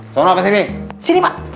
salam apa sini sini pak